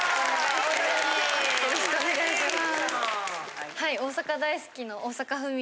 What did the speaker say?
よろしくお願いします。